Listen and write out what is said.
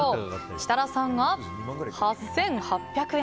設楽さんが８８００円。